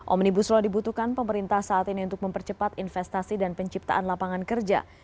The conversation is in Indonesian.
omnibus law dibutuhkan pemerintah saat ini untuk mempercepat investasi dan penciptaan lapangan kerja